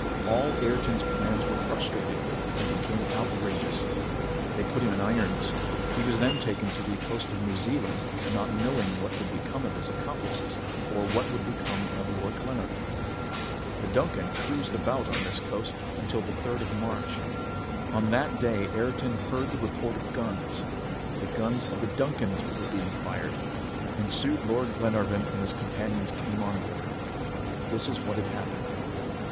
"All Ayrton's plans were frustrated! He became outrageous. They put him in irons. He was then taken to the coast of New Zealand, not knowing what would become of his accomplices, or what would become of Lord Glenarvan. "The Duncan cruised about on this coast until the 3rd of March. On that day Ayrton heard the report of guns. The guns of the Duncan were being fired, and soon Lord Glenarvan and his companions came on board. "This is what had happened.